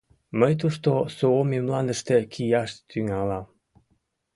Мый тушто, Суоми мландыште, кияш тӱҥалам.